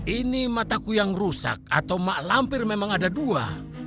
ini mataku yang rusak atau mak lampir memang ada dua